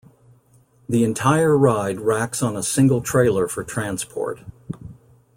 The entire ride racks on a single trailer for transport.